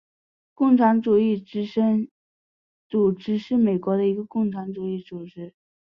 共产主义之声组织是美国的一个共产主义组织。